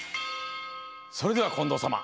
それでは近藤さま